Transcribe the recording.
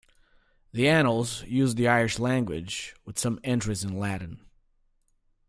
The Annals used the Irish language, with some entries in Latin.